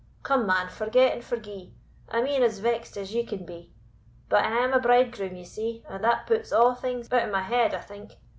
Come, man, forget and forgie. I'm e'en as vexed as ye can be But I am a bridegroom, ye see, and that puts a' things out o' my head, I think.